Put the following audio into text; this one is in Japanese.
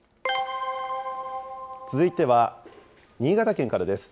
続いては、新潟県からです。